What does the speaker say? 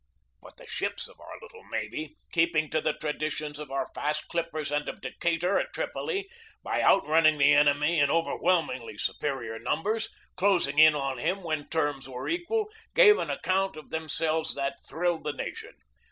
But the ships of our little navy, keeping to the traditions of our fast clippers and of Decatur at Trip oli, by outrunning the enemy in overwhelmingly superior numbers, closing in on him when terms were equal, gave an account of themselves that thrilled the nation.